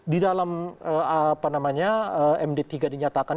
di dalam apa namanya md tiga dinyatakan